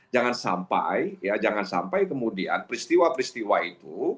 jangan sampai ya jangan sampai kemudian peristiwa peristiwa itu